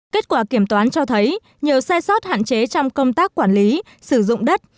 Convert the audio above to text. kết quả kiểm toán cho thấy nhiều sai sót hạn chế trong công tác quản lý sử dụng đất